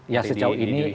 ya sejauh ini